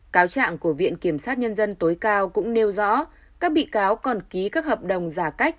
cáo trạng của viện kiểm sát nhân dân tối cao cũng nêu rõ các bị cáo còn ký các hợp đồng giả cách